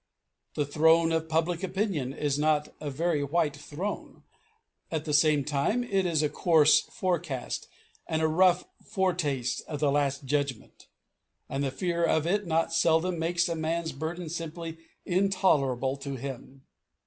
The throne of public opinion is not a very white throne; at the same time, it is a coarse forecast and a rough foretaste of the last judgment; and the fear of it not seldom makes a man's burden simply intolerable to him.